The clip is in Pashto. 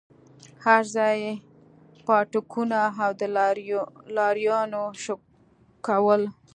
هرځاى پاټکونه او د لارويانو شکول.